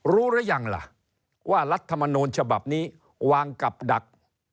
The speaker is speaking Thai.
รู้หรือยังล่ะว่ารัฐมนูลฉบับนี้วางกับดัก